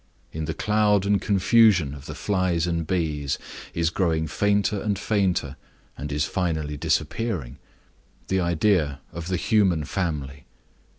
In the cloud and confusion of the flies and bees is growing fainter and fainter, as is finally disappearing, the idea of the human family.